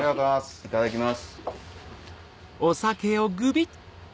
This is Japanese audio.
いただきます。